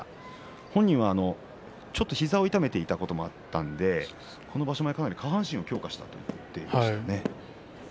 本人は膝を痛めていたこともあったのでこの場所かなり下半身を強化したと話しています。